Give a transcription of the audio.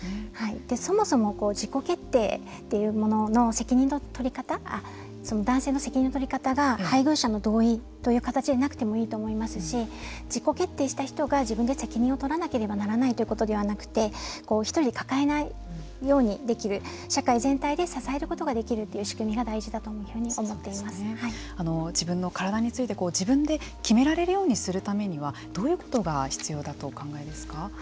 そもそも自己決定というものの責任の取り方男性の責任の取り方が配偶者の同意という形でなくてもいいと思いますし自己決定した人が自分で責任を取らなきゃいけないということではなくて抱えないようにできる社会全体で支えることができるという仕組みが自分の体について自分で決められるようにするためにはどういうことが必要だとお考えですか。